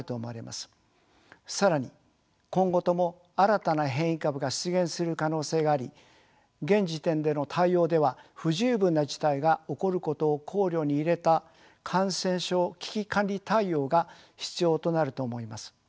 更に今後とも新たな変異株が出現する可能性があり現時点での対応では不十分な事態が起こることを考慮に入れた感染症危機管理対応が必要となると思います。